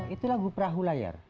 itu lagu prahulayar